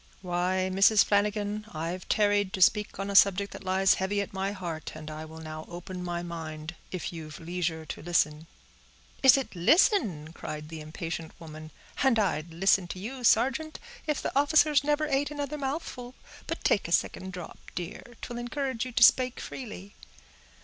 "Why, Mrs. Flanagan, I've tarried to speak on a subject that lies heavy at my heart, and I will now open my mind, if you've leisure to listen." "Is it listen?" cried the impatient woman; "and I'd listen to you, sargeant, if the officers never ate another mouthful. But take a second drop, dear; 'twill encourage you to spake freely."